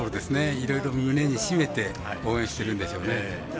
いろいろ胸に秘めて応援してるんでしょうね。